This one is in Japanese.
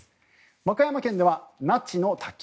和歌山県では那智の滝